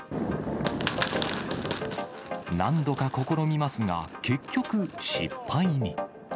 何度か試みますが、結局、失敗に。